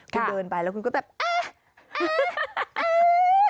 คุณเดินไปแล้วคุณก็แบบเอ๊ะ